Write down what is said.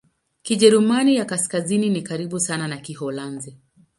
Kijerumani ya Kaskazini ni karibu sana na Kiholanzi.